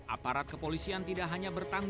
aparat kepolisian tidak hanya bertanggung